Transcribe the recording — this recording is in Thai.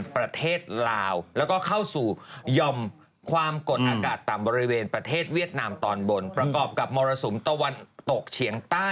ประกอบมรสุมตะวันตกเฉียงใต้